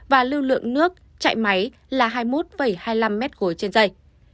và lưu lượng nước chạy máy là hai mươi một hai mươi năm m ba trên dây